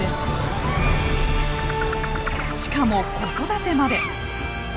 しかも子育てまで。